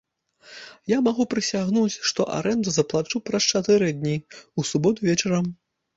Я магу прысягнуць, што арэнду заплачу праз чатыры дні, у суботу вечарам.